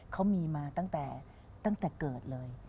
เขามีมาตั้งแต่เกิดเลย